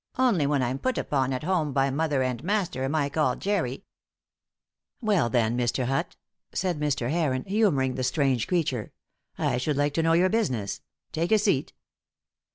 "Only when I'm put upon at home by mother and master am I called Jerry." "Well, then, Mr. Hutt," said Mr. Heron, humouring the strange creature, "I should like to know your business. Take a seat."